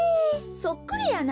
そっくりやな。